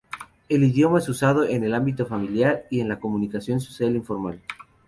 El idioma es usado en el ámbito familiar y en la comunicación social informal.